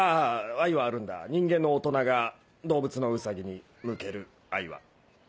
愛はあるんだ人間の大人が動物のウサギに向ける愛は。